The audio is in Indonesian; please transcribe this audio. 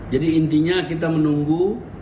intinya kita menunggu